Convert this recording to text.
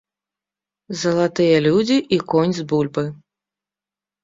Залатыя людзі і конь з бульбы.